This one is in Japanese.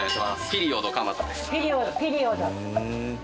ピリオドピリオド。